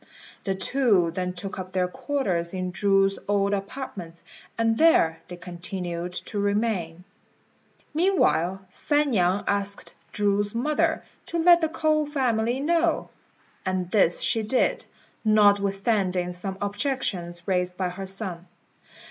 The two then took up their quarters in Chu's old apartments, and there they continued to remain. Meanwhile San niang asked Chu's mother to let the K'ou family know; and this she did, notwithstanding some objections raised by her son.